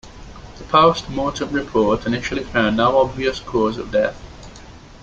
The post-mortem report initially found "no obvious cause" of death.